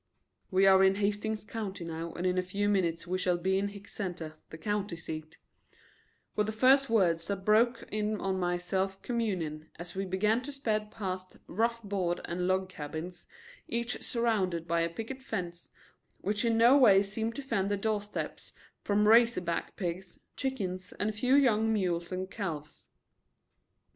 "We are in Hastings County now and in a few minutes we shall be in Hicks Center, the county seat," were the first words that broke in on my self communion as we began to speed past rough board and log cabins, each surrounded by a picket fence which in no way seemed to fend the doorsteps from razor back pigs, chickens and a few young mules and calves.